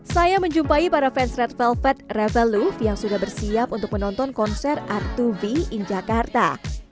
saya menjumpai para fans red velvet revelop yang sudah bersiap untuk menonton konser r dua v in jakarta